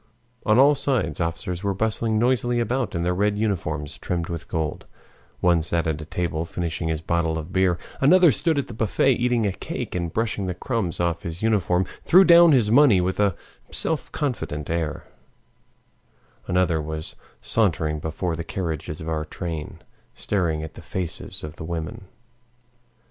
On all sides officers were bustling noisily about in their red uniforms trimmed with gold; one sat at a table finishing his bottle of beer, another stood at the buffet eating a cake, and brushing the crumbs off his uniform, threw down his money with a self confident air; another was sauntering before the carriages of our train, staring at the faces of the women.